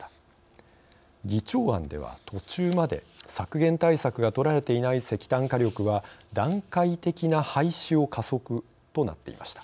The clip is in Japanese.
議長案では途中まで削減対策が取られていない石炭火力は段階的な廃止を加速となっていました。